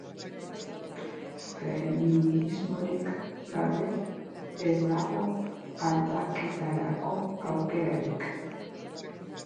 Feminismorik gabe ez dago aldaketarako aukerarik.